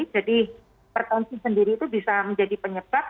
jadi pertensi sendiri itu bisa menjadi penyebab